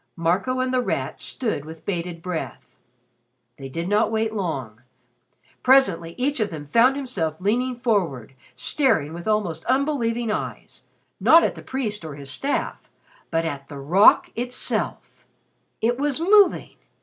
Marco and The Rat stood with bated breath. They did not wait long. Presently each of them found himself leaning forward, staring with almost unbelieving eyes, not at the priest or his staff, but at the rock itself! It was moving!